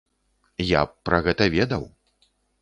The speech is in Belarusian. Я б пра гэта ведаў.